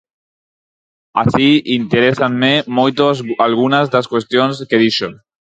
Así, interésanme moito algunhas das cuestións que dixo.